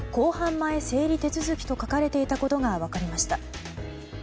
前整理手続きと書かれていたことが分かりました。